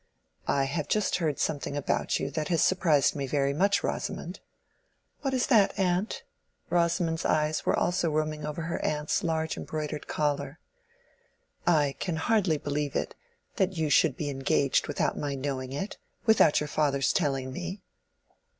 "I have just heard something about you that has surprised me very much, Rosamond." "What is that, aunt?" Rosamond's eyes also were roaming over her aunt's large embroidered collar. "I can hardly believe it—that you should be engaged without my knowing it—without your father's telling me."